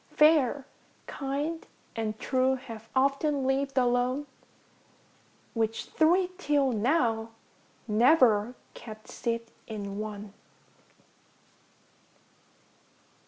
Fair, kind, and true, have often livŌĆÖd alone, Which three till now, never kept seat in one.